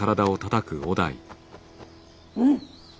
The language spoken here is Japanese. うん！